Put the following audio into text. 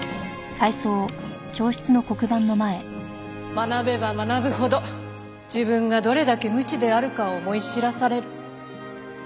学べば学ぶほど自分がどれだけ無知であるかを思い知らされる。